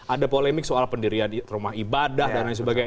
ada polemik soal pendirian rumah ibadah dan lain sebagainya